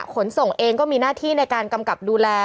ขนส่งเองก็มีหน้าที่ในการกำกับดูแล